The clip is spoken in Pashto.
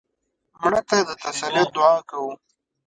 مړه ته د تسلیت دعا کوو